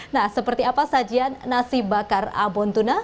nah seperti apa sajian nasi bakar abon tuna